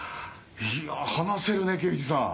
いや話せるね刑事さん！